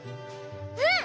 うん！